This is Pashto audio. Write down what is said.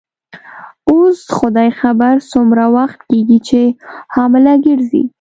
اوس خدای خبر څومره وخت کیږي چي حامله ګرځې.